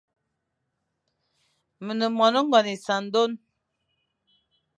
Me ne moan ngone essandone.